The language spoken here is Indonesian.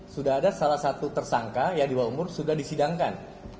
sudah ada salah satu tersangka yang di bawah umur sudah disidangkan